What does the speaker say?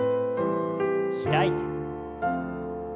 開いて。